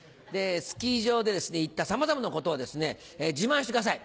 スキー場でいったさまざまなことをですね自慢してください。